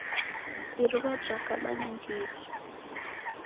Iruwa jakaba nandighi